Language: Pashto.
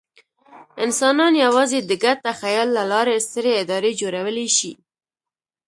انسانان یواځې د ګډ تخیل له لارې سترې ادارې جوړولی شي.